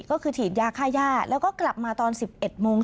ก็คือฉีดยาค่าย่าแล้วก็กลับมาตอน๑๑โมง